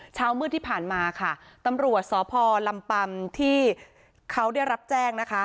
เช้ามืดที่ผ่านมาค่ะตำรวจสพลำปำที่เขาได้รับแจ้งนะคะ